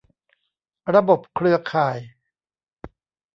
ระบบเครือข่าย